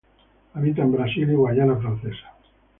Habita en Brasil y Guyana Francesa.